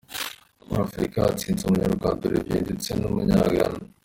Muri Afurika hatsinze Umunyarwanda Olivier ndetse n’ Umunya-Ghana.